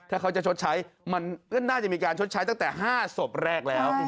ถ้าเขาจะชดใช้มันก็น่าจะมีการชดใช้ตั้งแต่๕ศพแรกแล้ว